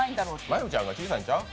真悠ちゃんが小さいんちゃう？